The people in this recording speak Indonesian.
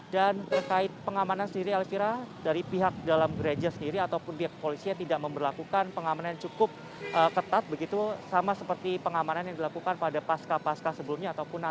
dan terkait pengamanan sendiri elvira dari pihak dalam gereja sendiri ataupun pihak polisinya tidak memperlakukan pengamanan yang cukup ketat begitu sama seperti pengamanan yang dilakukan oleh kesehatan